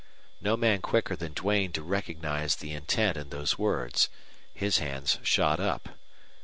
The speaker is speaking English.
No man quicker than Duane to recognize the intent in those words! His hands shot up.